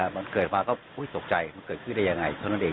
มันเกิดมาก็ตกใจมันเกิดขึ้นได้ยังไงเท่านั้นเอง